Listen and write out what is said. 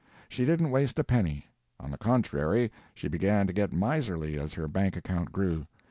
She didn't waste a penny. On the contrary, she began to get miserly as her bank account grew.